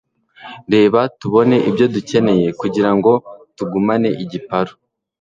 Reka tubone ibyo dukeneye kugirango tugumane igiparu